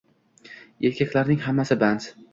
Erkaklarning hammasi band